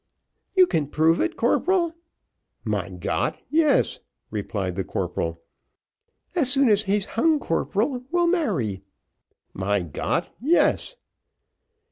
"You can prove it, corporal?" "Mein Gott, yes," replied the corporal. "As soon as he's hung, corporal, we'll marry." "Mein Gott, yes."